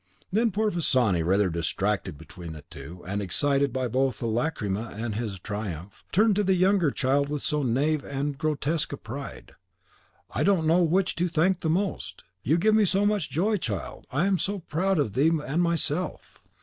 Then poor Pisani, rather distracted between the two, and excited both by the lacrima and his triumph, turned to the younger child with so naive and grotesque a pride, "I don't know which to thank the most. You give me so much joy, child, I am so proud of thee and myself.